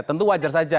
tentu wajar saja